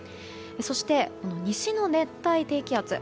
そして、西の熱帯低気圧。